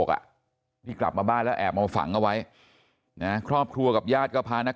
อ่ะที่กลับมาบ้านแล้วแอบเอามาฝังเอาไว้นะครอบครัวกับญาติก็พานัก